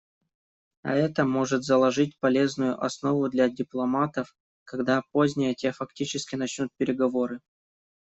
А это может заложить полезную основу для дипломатов, когда позднее те фактически начнут переговоры.